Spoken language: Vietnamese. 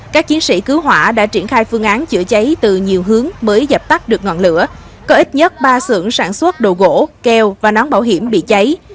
các chiến sĩ cứu hỏa đã triển khai phương án chữa cháy từ nhiều hướng mới dập tắt được ngọn lửa có ít nhất ba xưởng sản xuất đồ gỗ keo và nón bảo hiểm bị cháy